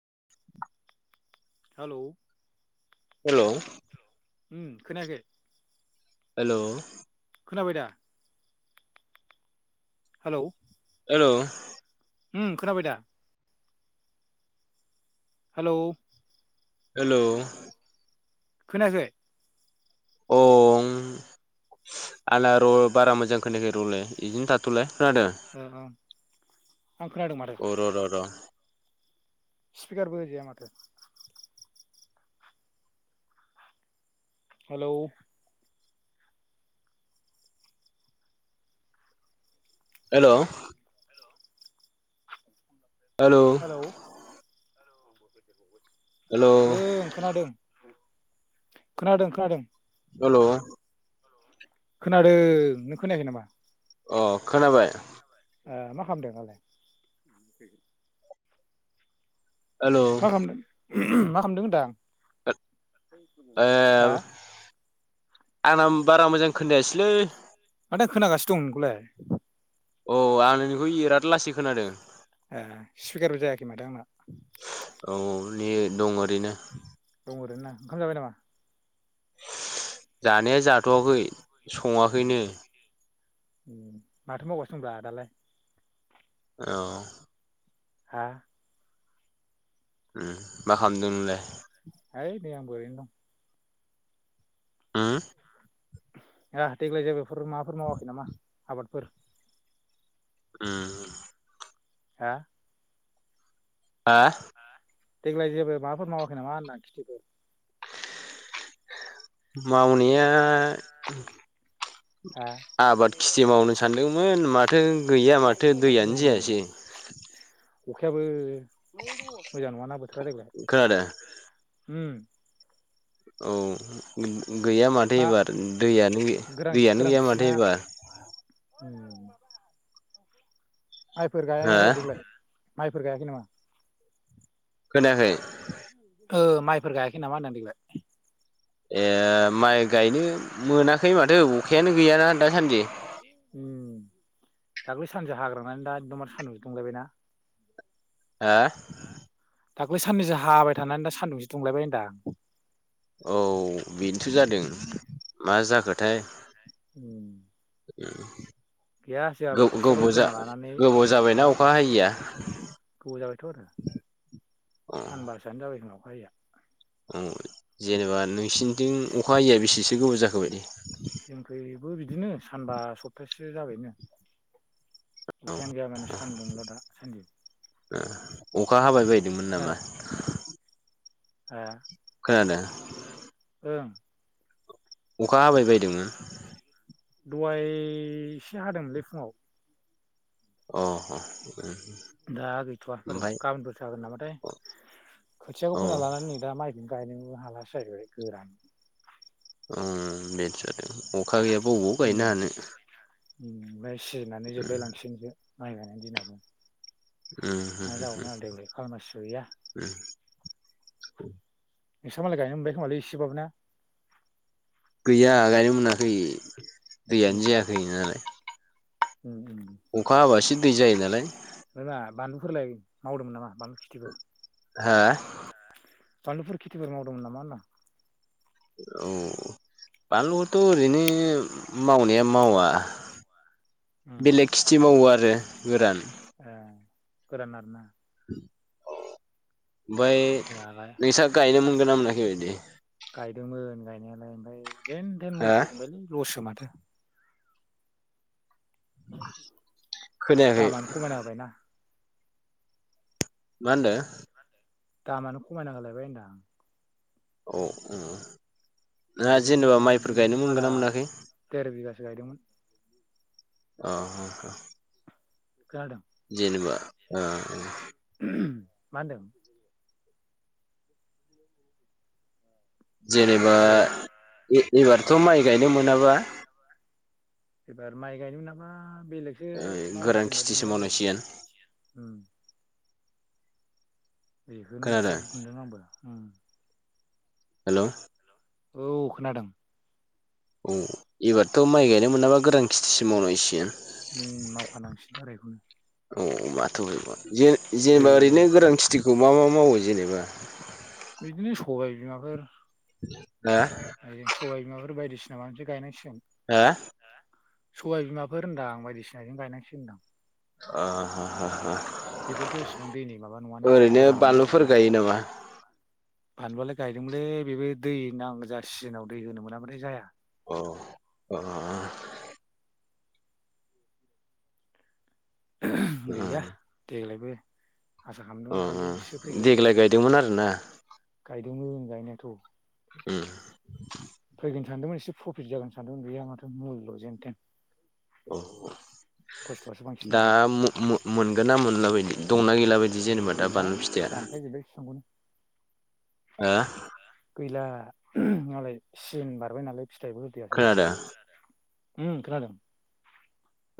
[unintelligible] Hello hello? उम खोनायाखै? Hello? खोनाबाय दा? हेलौ? हेलौ उम खोनाबाय दा? हेल'? हेल'? खोनायाखै? अ ओं आंना र' बारा मोजां खोनाखै र'लाय। इदिनो थाथ'लाय खोनादों। ओं-ओं। आं खोनादों माथो। र'-र'-र'। स्पिकारबो होजाया माथो? हेलौ' हेल'? हेल' हेल'? हेल' हेलौ ओं खोनादों। खोनादों खोनादों। हेल'? खोनादों नों खोनायाखै नामा? अ' खोनाबाय? ओ मा खालामदों दालाय? हेल'? मा खालामदों मा खालामदों होनदां आं? ए हा आंना बारा मोजां खोनायासैलोय। माथो आं खोनागासिनो दं नोंखौलाय। अ आं नोंनिखौ इराद लासै खोनादों। ए स्पिकारबो जायाखै माथो आंना। औ ने दं ओरैनो। दं ओरैनो ना ओंखाम जाबाय नामा? जानाया जाथ'वाखै ए सङाखैनो। माथो मावगासिनो दंब्रा दालाय? औ हा उम मा खालामदों नोंलाय? है नै आंबो ओरैनो दं। हुम होआ देग्लाय जेबो बेफोर माबाफोर मावाखै नामा आबादफोर? उम हा हा देग्लाय जेबो माबाफोर मावाखै नामा होनदां खेथिफोर? मावनाया हा आबाद खेथि मावनो सानदोंमोन माथो गैया माथो दैयानो उम जायासै। अखायाबो मोजां नङाना बोथोरा देग्लाय। खोनादों हुम औ गैया माथो मा एबार दैयानो गोरान दैयानो गैया माथो गोरानथिना एबार। [inaudible] माइफोर हा गायाखै देग्लाय माइफोर गायाखै नामा? खोनायाखै ओ माइफोर गायाखै नामा होनदां देग्लाय? ए माइ गायनो मोनाखै माथो अखायानो गैयाना दासान्दि। उम दाख्लै सानजा हाग्रांनानै दा एकदबारे सानदुंसो दुंलायबाय ना। हा दाख्लै साननैसो हाबाय थानानै दा सान्दुंसो दुंलायबाय होनदां। औ बेनोथ' जादों मा जाखोथाय। उम उम गैया जोंहाबो खोथियाखौल' गोब-गोबाव जा फोना लानानै गोबाव जाबायना हा अखा हायिया? गोबाव जाबायथ' आरो। उम सानबासोआनो जाबाय खोमा अखा हायिया। उम जेनेबा नोंसिनिथिं अखा हैयैया बेसेसो गोबाव जाखो बायदि? जोंखैबो बिदिनो सानबा सप्तासेसो जाबायनो। अखायानो गैया माने सानदुंल' दा सानदि। उम अखा हाबाय बायदोंमोन नामा? हो खोनादों? ओं अखा हाबायबाय दहाय एसे हादोंमोनलै फुङाव। अ अ दा गैथ'वा बारु गाबोनफोरसो हागोन नामाथाय औ खोथियाखौ फोना उम लानानै नै दा माइखौनो गायनोबो हालासो जाहैबाय गोरान। उम बेथ' आरो अखा गैयाबा बबाव गायनो उम हानो। ओमफ्राय सिजेनानै जोबलाय लांसिगोनसो माइ गायनायनि दिनाबो। उम मा जाबावनो आरो हुम देग्लाय हुम खालमासिबो गैया हुम उम नोंसा मालाय गायनो मोनबाय खोमालै इसेबाबो ना? गैया गायनो मोनाखै दैयानो उम जायाखै नालाय। उम उम। अखा हाबासो दै जायो नालाय। माबा बानलुफोरलाय मावदोंमोन नामा बानलु खिथिफोर? हो? बानलुफोर खेथिफोर मावदोंमोन नामा होनदां? औ। बानलुखौथ' ओरैनो मावनाया मावा। उम बेलेग खेथि मावो आरो गोरान। ए गोरान आरोना। औ ओमफाय जोंहा नोंसा गायनो मोनगोनना मोनाखै बिदिे? गायदोंमोन गायनायालाय ओमफ्राय जेन थेन हा मुल फैफिनबायलै लससो माथो। खोनायाखै दामानो खमायना होबायना। मा होनदों? दामानो खमायना होलायबाय होनदां। औ उम ना गायदोंमोन जेनेबा गायनाया माइफोर बिदिनो गायनो आदा मोनगोन ना मोनाखै? देर बिगासो गायदोंमोन। अ। खोनादों? जेनेबा ओ ओं। मा होनदों? जेनेबा हेलौ ए-एबारथ' माइ गायनो मोनाबा एबार माइ गायनो मोनाबा बेलेगसो गोरान मावनांसिगोन बायदि खिथिसो मोनबाय मावनांसिगोन आंबो। बेखौनो खोनादों थिग मोनदों आंबो उम। हेलौ औ खोनादों। ओ इबराथ' माइ गायनो मोनाबा गोरान खेथिसि मावनांसिगोन। उम मावखानांसिगोनथ' आरो बेखौनो औ माथो [unintelligible] दै जेनेबा ओरैनो गोरान खेथिखौ मा मा मावो जेनेबा? बिदिनो सबाय बिमाफोर हो? [unintelligible] सबाय बिमाफोर बायदिसिना माबो गायनांसिगोन। हो? सबाय बिमाफोर होनदां आं बायदिसिनाजों गायनांसिगोन होनदां। [inaudible] बेफोरथ' इसिबां दैनि माबा नङाना ओरैनो गोरानावनो बानलुफोर जाखायो। गायो नामा फानलुआलाय गायदोंमोनलै बेबो दै नांजा सिजोनाव दै होनो मोनाबाथाय जाया। अ अ। उम। गैया देग्लायबो आसा खालामदोंमोन उम बानलु एसे उम फैगोन देग्लाय होननानै गायदोंमोन आरोना? गायदोंमोन गायनायाथ'। उम। फैगोन सानदोंमोन एसे प्रफिट जागोन सानदोंमोन गैया माथो मुल' जेनथेन। अ औ। खस्थ'आसो बांसिन दा माथो मो-मो-मोनगोन ना मोनला बायदि दंना गैला बायदि जेनेबा दा बानलु फिथाइया? दानफाय जोबबाय फिफांखौनो। ओ? गैला मालाय सिजेन बारबाय नालाय फिथाइबो होदियासै। खोनादों उम खोनादों।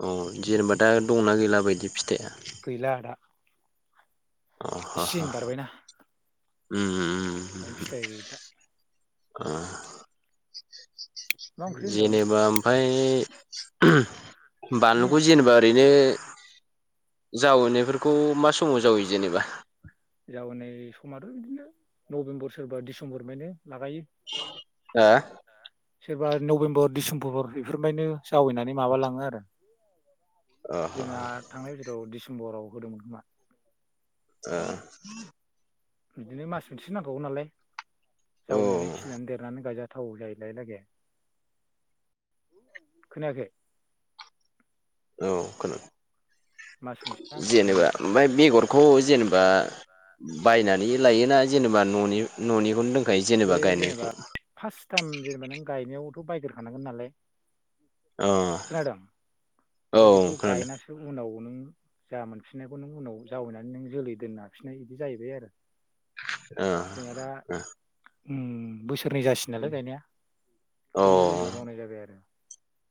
अ जेनेबा दा दंना गैला बायदि फिथाइआ गैला दा अ ह-ह सिजोन बारबायना उम-उम-उम [inaudible] फिथाइ गैला अ मा ओंख्रि होनदों जेनेबा ओमफाय ओहम उम बानलुखौ जेनेबा ओरैनो जावैनायफोरखौ मा समाव जावैयो जेनेबा? जावैनाय समाथ' इदिनो नबेम्बर सोरबा डिसेम्बरमायनि लागायो हा सोरबा नबेम्बर डिसेम्बर बेफोरनिफायनो जावैनानै माबालाङो आरो अ [inaudible] ह जोंहा थांनाय बोसोराव डिसेम्बराव होदोंमोन खोमा अ बिदिनो मास मोनसे नांखागौ नालाय ओ जावैनानै खिलिनानै देरनानै गायजानो थाव जायलायलागे खोनायाखै औ खोनादों मास मोनसे नांखागौ जेनेबा माने ओमफाय बेगरखौ जेनेबा बायनानै लायोना जेनेबा न'नि-न'निखौनो दों बे जेनेबा फार्स्ट टाइम जेनेबा नों गायनायावथ' बायगोरखानांगोन नालाय अ औ ओमफाय बेखौ गायनासो उनाव नों जा मोनफिननायखौ नों उनाव जावैनानै नों जोलै दोननो हाफिननाय इदि जाहैबाय आरो खोनादों जोंहा दा ओ उम बोसोरनै जासि नालाय गायनाया खेबनै ओ जेनेबा अ मावनाय जाबाय आरो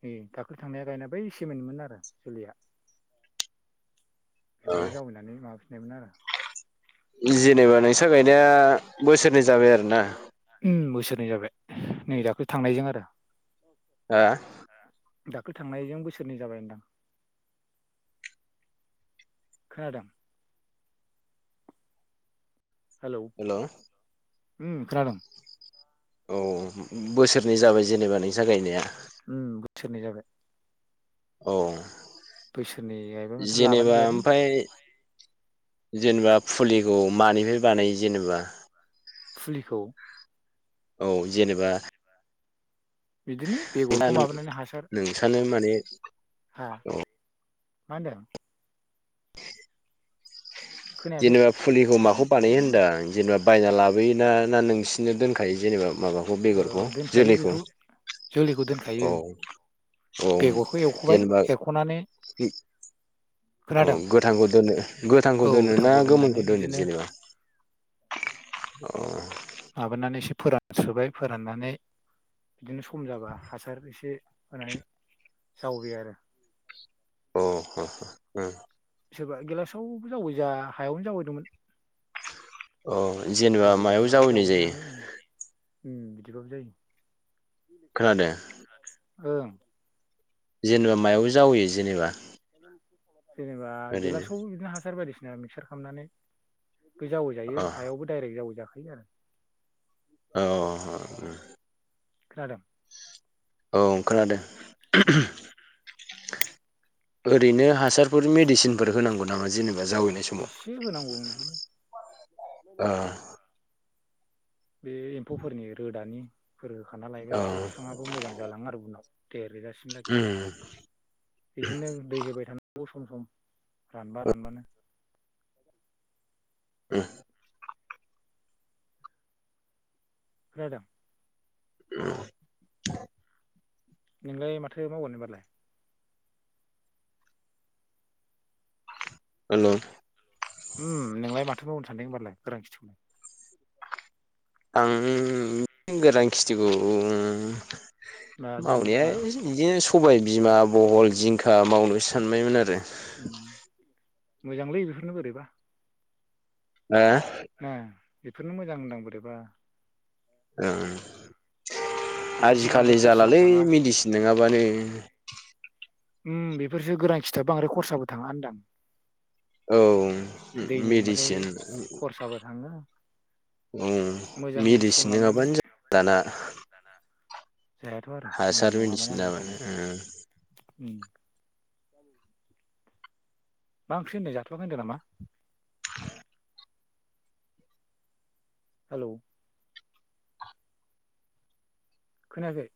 नै दाखलै थांनाया गायनाय बै सेमोननिमोन आरो जोलैया बेखौनो जावैनानै माबाफिननायमोन आरो नि जेनेबा नोंस्रा गायनाया बोसोरनै जाबाय आरोना उम बोसोरनै जाबाय नै दाख्लै थांनायजों आरो हा दाख्लै थांनायजों बोसोरनै जाबाय होनदां खोनादों हेलौ हेलौ उम खोनादों औ बोसोरनै जाबाय जेनेबा नोंसा गायनाया उम बोसोरनै जाबाय औ बोसोरनै गायबाय माथो लाबानो जेनेबा गैयालै ओमफाय जेनेबा फुलिखौ मानिफाय बानायो जेनेबा फुलिखौ? औ जेनेबा बिदिनो बेगरखौ [inaudible] माबानानै हासार नोंसानो माने हा औ मा होनदों? खोनायाखै जेनोबाब फुलिखौ माखौ बानायो होनदां जेनेबा बायना लाबोयोना ना नोंसिनिनो दोनखायो जेनेबा माबा ओ बेगरखौ दोनखायो जोलैखौ बेखौ जोलैखौ दोनखायो औ-औ बेगरखौ एवख'बाय जेनेबा एरख'नानै फि अ खोनादों गोथांखौ दोनो गोथांखौ औ दोनो ना गोथांखौ दोननानै गोमोनखौ दोनो बिदिनो जेनेबा अ माबानानै एसे फोरानस्रोबाय फोराननानै बिदिनो सम जाबा हासार एसे होनानै जावैबाय आरो। अ ह-ह उम। सोरबा गेलासआवबो जावबायज हायावनो जावैदोंमोन। औ जेनेबा दुफु मायाव जावैनाय जायो। उम बिदिबाबो जायो। खोनादों। ओं। जेनेबा मायावबो जावैयो जेनेबा जेनेबा ओरैनो गेलासआवबो बिदिनो हासार बायदिसिना मिक्सार खामनानै बे जावो जायो अ हायावबो दडाइरेक्ट जावो जाखायो आरो औ। खोनादों। औ खोनादो उम ओरैनो हासार बेफोर मेडिसिनफोर होनांगौ नामा जेनेबा जावैनाय। एसे होनांगौ बिदिनो ओ बे एम्फौफोरनि रोदानिफोर होखाना लायबाय अ एसे बिफाङा बौ मोजां जालाङो आरो उनाव देर रोजासिम लागै उम। बिदिनो दै होबाय थानांगौ सम-सम रानबा रानबानो। उम खोनादों [unintelligible] नोंलाय माथो मावगोन होनबालाय होनदों उम नोंलाय माथो मावनो सानदों होमबालाय गोरां खिथिखौ आं गोरान खिथिखौ मा जेनेबा मावनाया मा बिदिनो सबाय बिमा बहल जिंखा मावनोसो सानबायमोन आरो। उम मोजांलै बेफोरनो बोरैबा। [unintelligible] उम बेफोरनो मोजां होनदां बोरैबा। ओं बेफोरसो बांद्राय आजिखालि खरसाबो जालालै थाङा मेडिसिन नङाबानो। उम बेफोरसो गोरान खिथाब बांद्राय खरसाबो थाङा होनदां। औ दैनि होनबाथाय मेडिसिन खरसाबो थाङो औ मोजां सम मेडिसिन लानानै नङाबानो जा दाना। जायाथ' आरो मुलि हासार नङाबानो मेडिसिना मानो आजिखालि उम। उम बां ओंख्रि होनदों जाथ'आखै होनदों नामा? हेलौ। खोनायाखै?